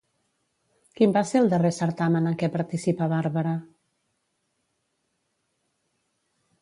Quin va ser el darrer certamen en què participà Bárbara?